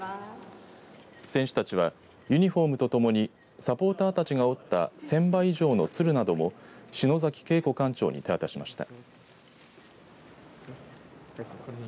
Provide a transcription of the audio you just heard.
選手たちはユニフォームとともにサポーターたちが折った１０００羽以上の鶴なども篠崎桂子館長に手渡しました。